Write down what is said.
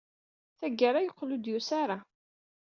Tagara, yeqqel ur d-yusi ara.